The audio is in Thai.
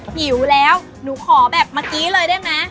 หิวแล้วหนูขอแบบเมื่อกี้เลยได้ไหม